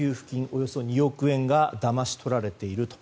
およそ２億円がだまし取られていると。